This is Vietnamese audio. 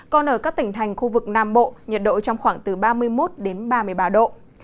còn ở các tỉnh thành khu vực nam bộ nhiệt độ trong khoảng từ ba mươi một đến ba mươi ba độ